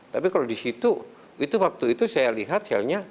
tapi kalau di situ itu waktu itu saya lihat selnya